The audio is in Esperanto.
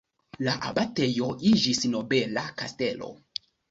La abatejo iĝis nobela kastelo.